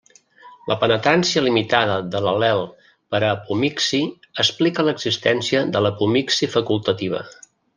La penetrància limitada de l’al·lel per a apomixi explica l’existència de l’apomixi facultativa.